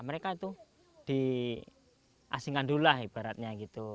mereka itu diasingkan dulu lah ibaratnya gitu